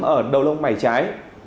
ở đầu lông mày trái